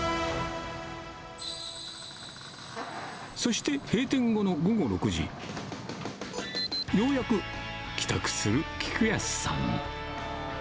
そして閉店後の午後６時、ようやく帰宅する菊安さん。